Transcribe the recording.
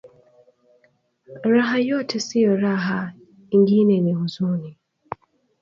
Raha yote siyo raha ingine ni uzuni